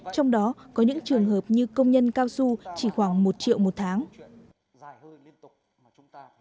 trong đó có những trường hợp như công nhân cao su chỉ khoảng một triệu một tháng